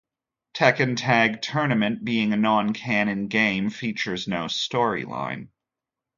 "Tekken Tag Tournament", being a non-canon game, features no storyline.